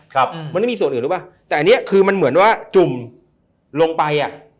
มันไม่มีส่วนอื่นหรือป่ะแต่อันนี้คือมันเหมือนว่าจุ่มลงไป